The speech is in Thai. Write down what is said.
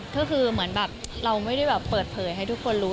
ก็คือเหมือนแบบเราไม่ได้แบบเปิดเผยให้ทุกคนรู้